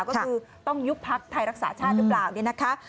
ก็คือต้องยุบพักไทยรักษาชาติหรือเปล่าเนี่ยนะคะ